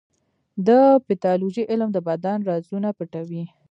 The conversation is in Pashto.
د پیتالوژي علم د بدن رازونه پټوي.